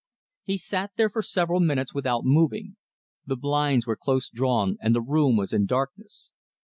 He sat there for several minutes without moving. The blinds were close drawn and the room was in darkness.